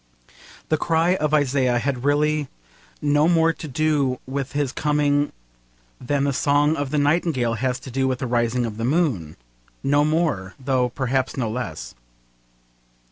The cry of Isaiah had really no more to do with his coming than the song of the nightingale has to do with the rising of the moon no more, though perhaps no less.